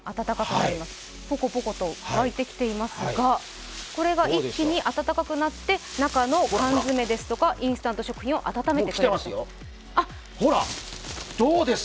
ポコポコと沸いてきていますが、これが温かくなって中の缶詰やインスタント食品を温めてくれるんです。